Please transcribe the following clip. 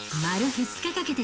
２日かけて？